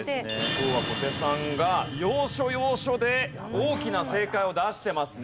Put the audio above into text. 今日は小手さんが要所要所で大きな正解を出してますね。